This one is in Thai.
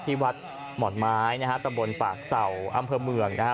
ที่วัดหมอนไม้นะฮะตำบลปากเศร้าอำเภอเมืองนะฮะ